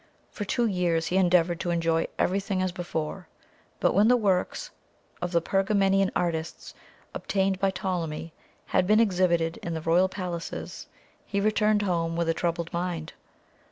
For two years he endeavoured to enjoy everything as before; but when the works of the Pergamenian artists, obtained by Ptolemy, had been exhibited in the royal palaces, he returned home with a troubled mind.